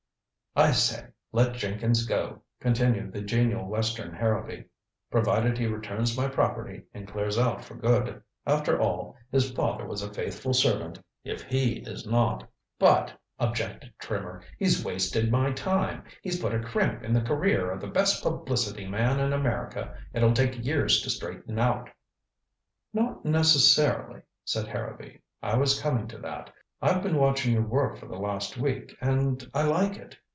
"I say let Jenkins go," continued the genial western Harrowby, "provided he returns my property and clears out for good. After all, his father was a faithful servant, if he is not." "But," objected Trimmer, "he's wasted my time. He's put a crimp in the career of the best publicity man in America it'll take years to straighten out " "Not necessarily," said Harrowby. "I was coming to that. I've been watching your work for the last week, and I like it.